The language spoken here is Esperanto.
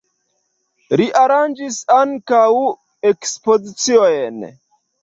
Li aranĝis ankaŭ ekspoziciojn.